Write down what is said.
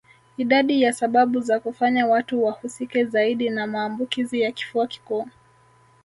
Idadi ya sababu za kufanya watu wahusike zaidi na maambukizi ya kifua kikuu